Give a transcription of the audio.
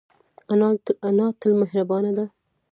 انا تل مهربانه ده